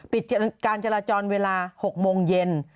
ปิดการจราจรเวลา๖โมงเย็น